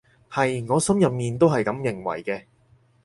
係，我心入面都係噉認為嘅